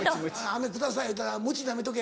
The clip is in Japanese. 「アメください」言うたら「ムチなめとけ」